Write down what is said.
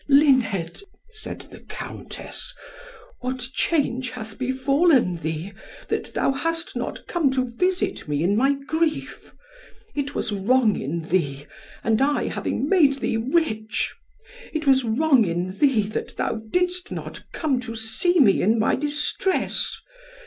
"Luned," said the Countess, "what change hath befallen thee, that thou hast not come to visit me in my grief? It was wrong in thee, and I having made thee rich; it was wrong in thee that thou didst not come to see me in my distress.